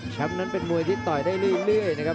นั้นเป็นมวยที่ต่อยได้เรื่อยนะครับ